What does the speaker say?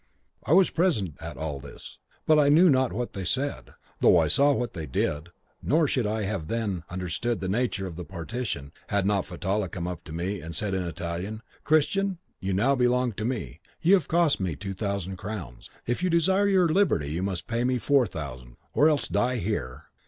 I was present at all this, but knew not what they said, though I saw what they did, nor should I have then understood the nature of the partition, had not Fatallah come up to me and said in Italian, 'Christian, you now belong to me; you have cost me two thousand crowns; if you desire your liberty you must pay me four thousand, or else die here.'